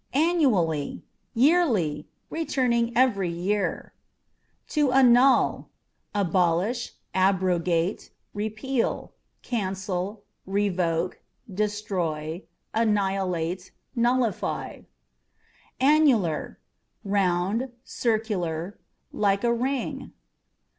Annually â€" yearly ; returning every year. To Annul â€" abolish, abrogate, repeal, cancel, revoke, destroy annihilate, nullify. Annular â€" round, circular, like a ring.